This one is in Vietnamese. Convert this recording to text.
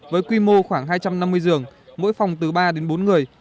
với quy mô khoảng hai trăm năm mươi giường mỗi phòng từ ba đến bốn người